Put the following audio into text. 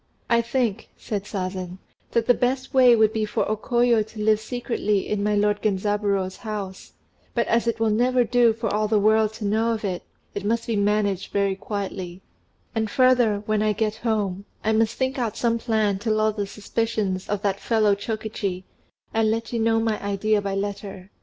"I think," said Sazen, "that the best way would be for O Koyo to live secretly in my lord Genzaburô's house; but as it will never do for all the world to know of it, it must be managed very quietly; and further, when I get home, I must think out some plan to lull the suspicions of that fellow Chokichi, and let you know my idea by letter.